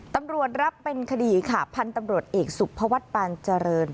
ตำรวจรับเป็นคดีค่ะพันธุ์ตำรวจเอกสุภวัฒน์ปานเจริญ